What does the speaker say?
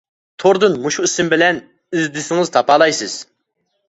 توردىن مۇشۇ ئىسىم بىلەن ئىزدىسىڭىز تاپالايسىز.